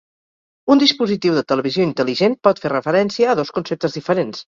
Un dispositiu de televisió intel·ligent pot fer referència a dos conceptes diferents.